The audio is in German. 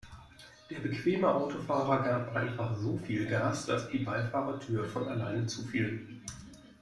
Der bequeme Autofahrer gab einfach so viel Gas, dass die Beifahrertür von alleine zufiel.